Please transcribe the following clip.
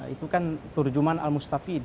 itu kan turjuman al mustafid